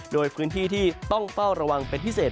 โดยพื้นที่ที่ต้องเฝ้าระวังเป็นพิเศษ